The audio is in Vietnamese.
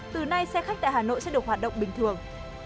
từ nay xe khách tại hà nội sẽ được hoạt động bình thường